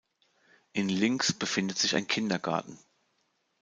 In Linx befindet sich ein Kindergarten.